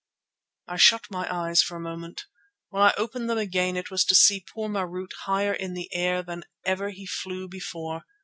I shut my eyes for a moment. When I opened them again it was to see poor Marût higher in the air than ever he flew before.